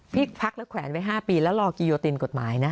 พักและแขวนไว้๕ปีแล้วรอกิโยตินกฎหมายนะ